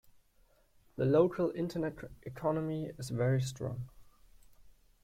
The local internet economy is very strong.